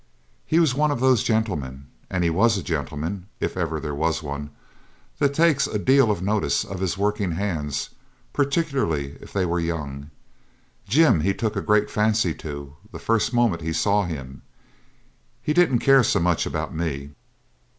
He was one of those gentlemen and he was a gentleman, if ever there was one that takes a deal of notice of his working hands, particularly if they were young. Jim he took a great fancy to the first moment he saw him. He didn't care so much about me.